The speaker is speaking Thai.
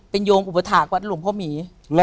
โยมอุปถาควัดหลวงพ่อหมี